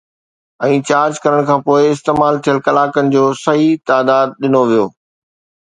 ۽ charge ڪرڻ کان پوءِ استعمال ٿيل ڪلاڪن جو صحيح تعداد ڏنو ويو